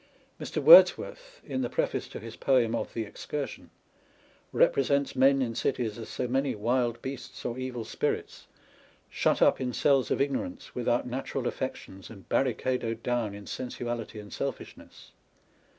Mr. Words worth, in the Preface to his poem of the Excursion^ represents men in cities as so many wild beasts or evil spirits, shut up in cells of ignorance, without natural affections, and barricadoed down in sensuality and selfish ness.